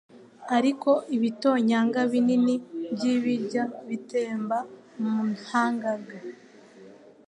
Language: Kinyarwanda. ariko ibitonyanga binini by'ibyrya bitemba mu nhanga rwe.